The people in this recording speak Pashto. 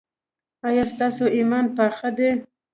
ایا ستاسو ایمان پاخه دی؟